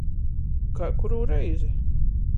Kai kurū reizi.